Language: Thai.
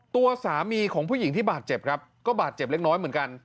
ตัวสามีของผู้หญิงที่บาดเจ็บครับก็บาดเจ็บเล็กน้อยเหมือนกัน